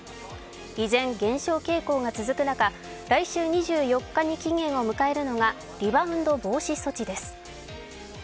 依然、減少傾向が続く中、来週２４日に期限を迎えるのがリバウンド防止措置です。